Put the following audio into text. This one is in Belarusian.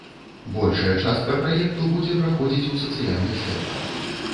Большая частка праекту будзе праходзіць у сацыяльных сетках.